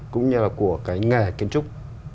cũng như là của cái nghề kiến trúc